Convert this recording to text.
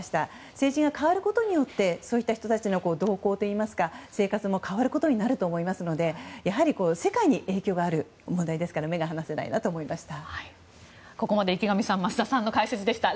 政治が変わることによってそうした人たちの動向や生活も変わることになると思いますのでやはり、世界に影響がある問題ですから目が離せないなと思いました。